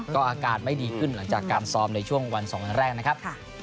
ก็อาการไม่ดีขึ้นหลังจากการซ้อมในช่วงวัน๒วันแรกนะครับ